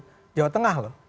seorang gubernur jawa tengah loh